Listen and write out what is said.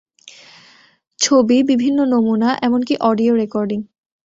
ছবি, বিভিন্ন নমুনা, এমনকি অডিও রেকর্ডিং।